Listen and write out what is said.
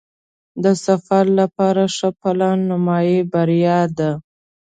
د سفر لپاره ښه پلان نیمایي بریا ده.